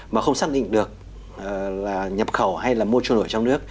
mà không xác định được là nhập khẩu hay là mua trộn đổi trong nước